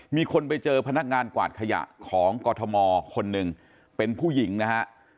มีคนไปเจอพนักงานกวาดขยะของกรทมคนหนึ่งเป็นผู้หญิงนะฮะ